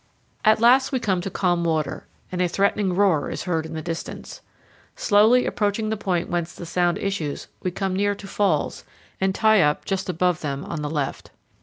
At last we come to calm water, and a threatening roar is heard in the distance. Slowly approaching the point whence the sound issues, we come near to falls, and tie up just above them on the left.